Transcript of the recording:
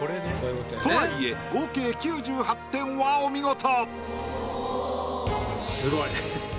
とはいえ合計９８点はお見事！